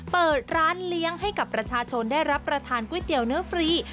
เปิดร้านเลี้ยงให้กับประชาชนได้รับประทานก๋วยเตี๋ยวเนื้อฟรี